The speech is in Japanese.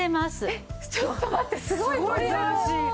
えっちょっと待ってすごいボリューム！